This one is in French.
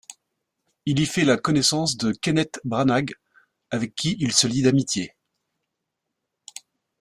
Il y fait la connaissance de Kenneth Branagh, avec qui il se lie d'amitié.